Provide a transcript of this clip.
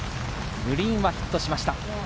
グリーンはヒットしました。